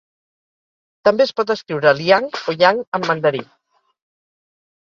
També es pot escriure Liang o Yang en mandarí.